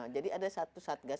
jadi ada satu satgas